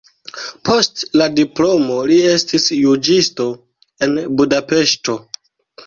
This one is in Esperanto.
Post la diplomo li estis juĝisto en Budapeŝto.